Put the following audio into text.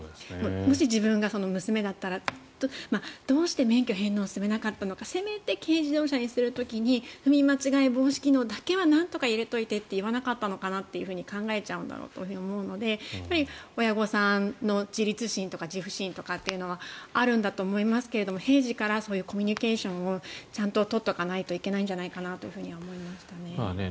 もし自分が娘だったらどうして免許返納を勧めなかったのかせめて軽自動車にする時に踏み間違い防止機能だけはなんとか入れないのと言わなかったのかなと考えちゃうんだろうと思うので親御さんの自立心とか自負心とかっていうのはあるんだと思いますが、平時からそういうコミュニケーションをちゃんと取っておかないといけないと思いましたね。